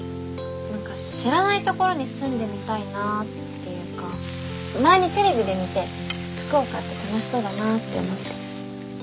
何か知らないところに住んでみたいなっていうか前にテレビで見て福岡って楽しそうだなって思って。